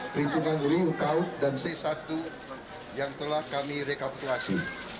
perhitungan real account dan c satu yang telah kami rekapitulasi